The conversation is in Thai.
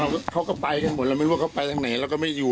เขาก็ไปกันหมดเราไม่รู้ว่าเขาไปทางไหนเราก็ไม่อยู่